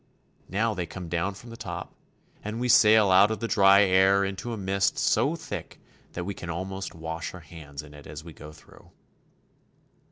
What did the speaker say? Now they come down from the top, and we sail out of the dry air into a mist so thick that we can almost wash our hands in it as we go through.